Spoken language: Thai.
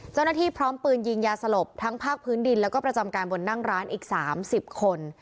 พร้อมปืนยิงยาสลบทั้งภาคพื้นดินแล้วก็ประจำการบนนั่งร้านอีก๓๐คน